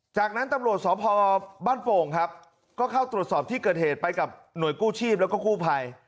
จากนั้นตำรวจสพบ้านโป่งครับก็เข้าตรวจสอบที่เกิดเหตุไปกับหน่วยกู้ชีพแล้วก็กู้ภัย